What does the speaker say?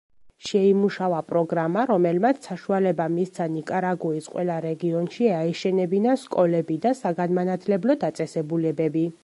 შეიმუშავა პროგრამა, რომელმაც საშუალება მისცა ნიაკრაგუის ყველა რეგიონში აეშენებინა სკოლები და საგანმანათლებლო დაწესებულებები.